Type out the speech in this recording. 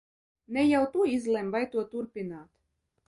Ne jau tu izlem, vai to turpināt!